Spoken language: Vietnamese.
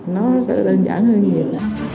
nó sẽ đơn giản hơn nhiều